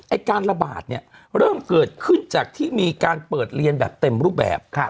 การระบาดเนี่ยเริ่มเกิดขึ้นจากที่มีการเปิดเรียนแบบเต็มรูปแบบ